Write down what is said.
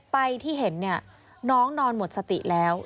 ไปที่เห็นเนี่ยน้องนอนหมดสติแล้ว